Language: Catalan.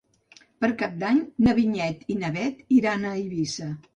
Per Cap d'Any na Vinyet i na Bet iran a Eivissa.